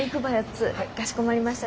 かしこまりました。